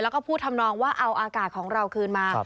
แล้วก็พูดทำนองว่าเอาอากาศของเราคืนมา